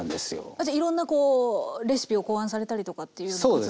じゃあいろんなこうレシピを考案されたりとかというような活動も。